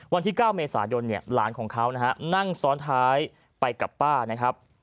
วันที่๙เมษายนเนี่ยหลานของเขานะฮะนั่งซ้อนท้ายไปกับป้านะครับ